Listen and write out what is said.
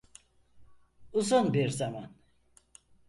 Uzun bir zaman.